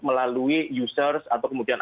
melalui users atau kemudian